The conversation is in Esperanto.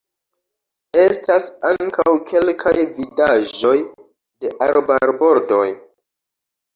Estas ankaŭ kelkaj vidaĵoj de arbarbordoj.